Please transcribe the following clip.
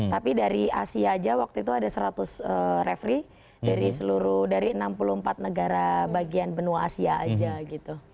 tapi dari asia aja waktu itu ada seratus referee dari seluruh dari enam puluh empat negara bagian benua asia aja gitu